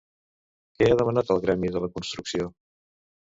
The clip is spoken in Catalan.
Què ha demanat el Gremi de la Construcció?